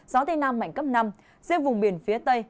gió tây nam mạnh cấp năm riêng vùng biển phía tây